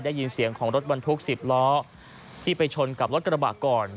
ได้ยินเสียงของรถบรรทุก๑๐ล้อที่ไปชนกับรถกระบะก่อน